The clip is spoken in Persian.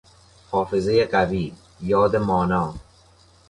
حافظهی قوی، یاد مانا